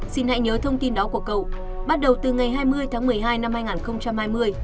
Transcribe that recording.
xin hãy nhớ thông tin đó của cậu bắt đầu từ ngày hai mươi tháng một mươi hai năm hai nghìn hai mươi